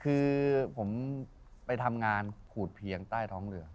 คือผมไปทำงานขูดเพียงใต้ท้องเรือ